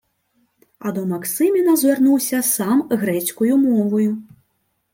А до Максиміна звернувся сам грецькою мовою: